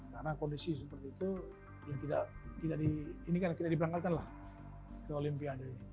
karena kondisi seperti itu ini kan tidak diperangkatkan lah ke olimpiade